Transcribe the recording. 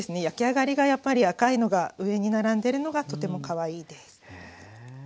焼き上がりがやっぱり赤いのが上に並んでるのがとてもかわいいです。